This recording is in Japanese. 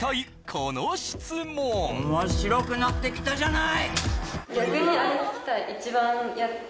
この質問面白くなってきたじゃない！